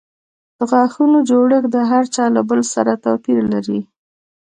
د غاښونو جوړښت د هر چا له بل سره توپیر لري.